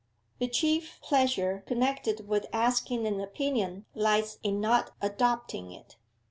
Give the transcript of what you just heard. The chief pleasure connected with asking an opinion lies in not adopting it.